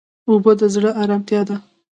اوبه د زړه ارامتیا ده.